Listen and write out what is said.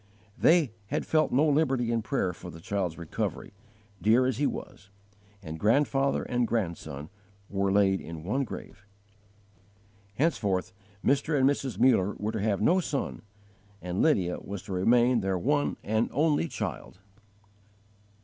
They had felt no liberty in prayer for the child's recovery, dear as he was; and grandfather and grandson were laid in one grave. Henceforth Mr. and Mrs. Muller were to have no son, and Lydia was to remain their one and only child.